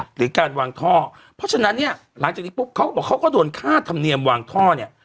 หรือการวางท่อเพราะฉะนั้นเนี่ยหลังจากนี้ปุ๊บเขาก็บอกเขาก็โดนค่าธรรมเนียมวางท่อเนี่ย